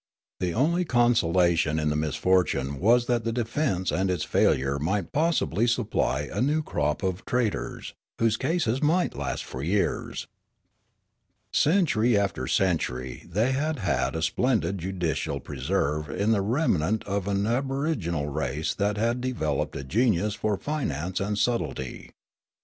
The only consolation in the misfortune was that the defence and its failure might possibly supply a new crop of traitors, whose cases might last for 5' ears. Century after century they had had a splendid judicial preserve in the remnant of an aboriginal race that had developed a genius for finance and subtlety.